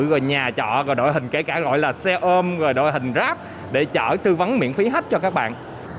rồi nhà trọ rồi đội hình kể cả gọi là xe ôm rồi đội hình rác để chở tư vấn miễn phí hết cho các bạn